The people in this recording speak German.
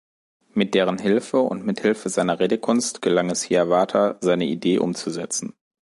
Mit deren Hilfe und mit Hilfe seiner Redekunst gelang es Hiawatha, seine Idee umzusetzen.